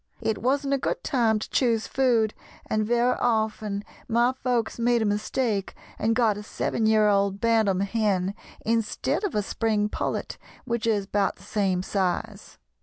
It wasn't a good time to choose food, and very often my folks made a mistake and got a seven year old bantam hen instead of a spring pullet, which is about the same size.